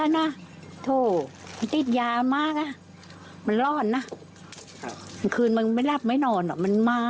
ใหญ่ก็ไม่ได้นอนกันนะ